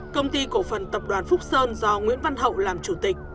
công ty cổ phần tập đoàn phúc sơn do nguyễn văn hậu làm chủ tịch